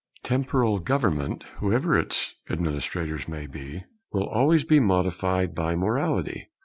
Temporal government, whoever its administrators may be, will always be modified by morality.